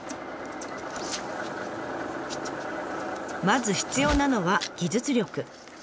まず必要なのは「技術力」。